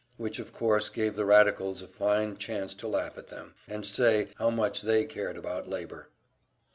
which of course gave the radicals a fine chance to laugh at them, and say, how much they cared about labor!